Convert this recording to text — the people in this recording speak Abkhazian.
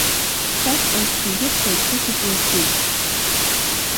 Сақәтәан сгьыжьып ҳәа исыцуп уажә гәыжьк.